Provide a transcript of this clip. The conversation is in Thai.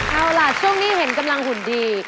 เอาล่ะช่วงนี้เห็นกำลังหุ่นดี